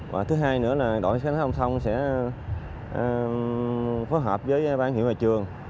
và thứ hai nữa là đội xã hội thông thông sẽ phối hợp với ban hữu nhà trường